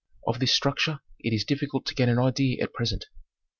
Of this structure it is difficult to gain an idea at present.